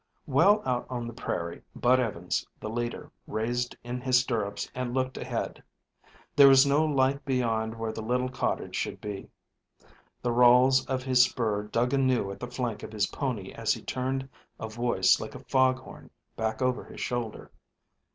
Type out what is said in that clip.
Well out on the prairie, Bud Evans, the leader, raised in his stirrups and looked ahead. There was no light beyond where the little cottage should be. The rowels of his spur dug anew at the flank of his pony as he turned a voice like a fog horn back over his shoulder.